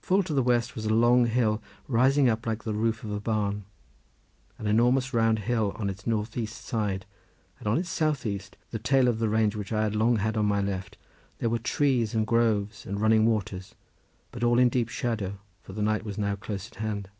Full to the west was a long hill rising up like the roof of a barn, a enormous round hill on its north east side, and on its south east the tail of the range which I had long had on my left—there were trees and groves and running waters, but all in deep shadow, for night was now close at hand.